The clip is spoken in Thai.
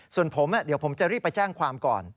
ส่วนผมเดี๋ยวผมจะรีบไปแจ้งความก่อน